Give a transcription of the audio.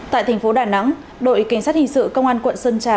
tại thành phố đà nẵng đội cảnh sát hình sự công an quận sơn trà